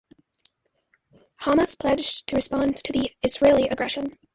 Hamas pledged to respond to the "Israeli aggression".